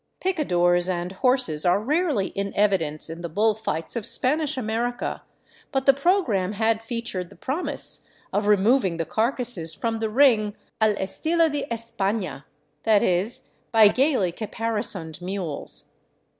Pica dores and horses are rarely in evidence in the bull fights of Spanish America, but the program had featured the promise of removing the carcasses from the ring " al estilo de Espafia," that is, by gaily capari soned mules.